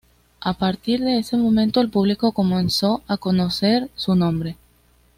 A partir de ese momento el público comenzó a conocer su nombre.